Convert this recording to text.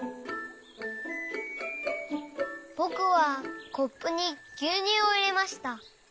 ぼくはコップにぎゅうにゅうをいれました。